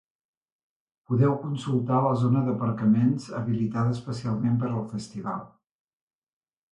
Podeu consultar la zona d’aparcaments habilitada especialment per al festival.